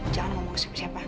jangan ngomong seperti siapa